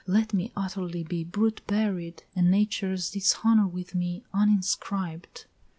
Let me utterly be Brute buried, and Nature's dishonor with me Uninscribed!"